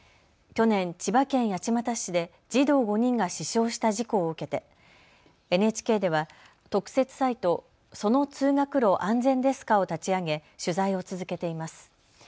去年、千葉県八街市で児童５人が死傷した事故を受けてＮＨＫでは特設サイト、その通学路、安全ですかを立ち上げ、取材を続けています。